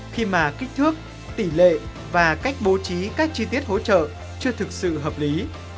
khi mà kích thước tỷ lệ và cách bố trí các chi tiết hỗ trợ chưa thực sự hợp lý